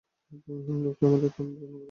লোকে আমাকে তন্নতন্ন করে খুঁজছে।